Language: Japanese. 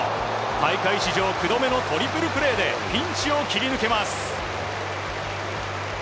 大会史上２度目のトリプルプレーでピンチを切り抜けます。